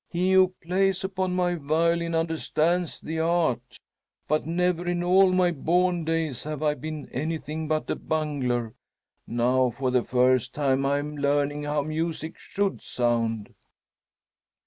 "He who plays upon my violin understands the art. But never in all my born days have I been anything but a bungler. Now for the first time I'm learning how music should sound."